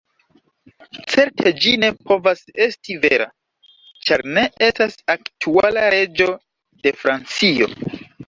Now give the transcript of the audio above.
Certe ĝi ne povas esti vera, ĉar ne estas aktuala reĝo de Francio.